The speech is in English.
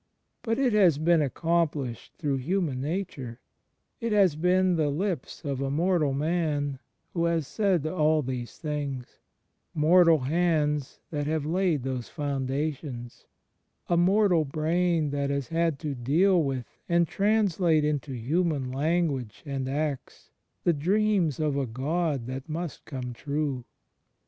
But it has been accomplished through Hiunan Nature; it has been the lips of a mortal Man who has said all these things; mortal hands that have laid those foimdations; a mortal brain that has had to deal with CHRIST IN HIS HISTORICAL LIFE 151 and translate into human language and act the dreams of a God that must come true.